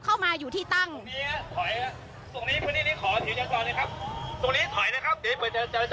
เปิดครับตรงนี้ถอยครับ